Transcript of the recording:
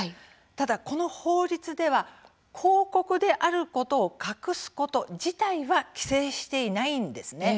ただ、この法律では広告であることを隠すこと自体は規制していないんですね。